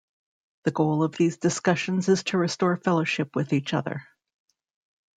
The goal of these discussions is to restore fellowship with each other.